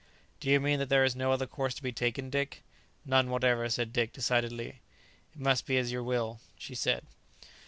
"Do you mean that there is no other course to be taken, Dick?" "None whatever," said Dick decidedly. "It must be as you will," she said.